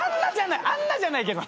あんなじゃないけど。